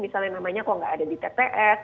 misalnya namanya kok nggak ada di tps